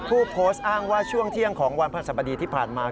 ผู้โพสต์อ้างว่าช่วงเที่ยงของวันพระสบดีที่ผ่านมา